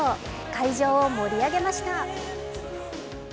会場を盛り上げました。